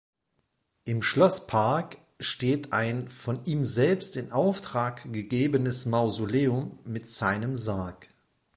Im Schlosspark steht ein von ihm selbst in Auftrag gegebenes Mausoleum mit seinem Sarg.